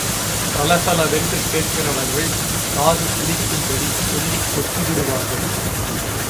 சளசளவென்று கேட்கிறவர்கள் காது புளிக்கும் படி சொல்லிக் கொட்டி விடுவார்கள்.